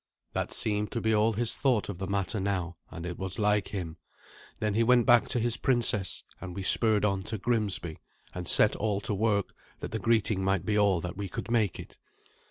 That seemed to be all his thought of the matter now, and it was like him. Then he went back to his princess, and we spurred on to Grimsby, and set all to work, that the greeting might be all that we could make it.